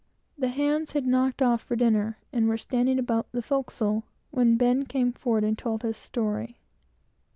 The hands had "knocked off" for dinner, and were standing about the forecastle, when Ben came forward and told his story.